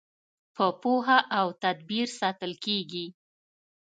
په پوهه او تدبیر ساتل کیږي.